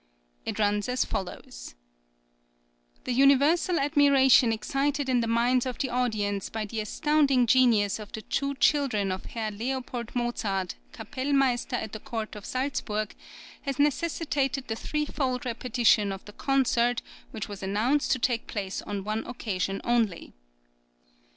It runs as follows:[20017] {FRANKFORT, COBLENZ, COLOGNE.} (33) The universal admiration excited in the minds of the audience by the astounding genius of the two children of Herr L. Mozart, Kapellmeister at the Court of Salzburg, has necessitated the threefold repetition of the concert which was announced to take place on one occasion only.